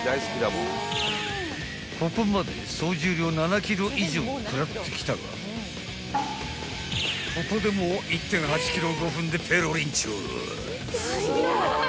［ここまで総重量７ｋｇ以上を食らってきたがここでも１．８ｋｇを５分でペロリンチョ］